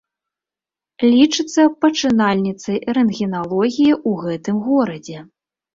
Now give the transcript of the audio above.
Лічыцца пачынальніцай рэнтгеналогіі ў гэтым горадзе.